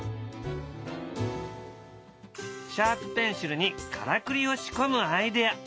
シャープペンシルにからくりを仕込むアイデア